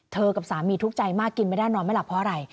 กับสามีทุกข์ใจมากกินไม่ได้นอนไม่หลับเพราะอะไร